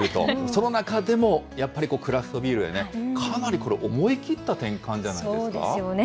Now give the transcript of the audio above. その中でも、やっぱりクラフトビールへね、かなりこれ、思い切っそうですよね。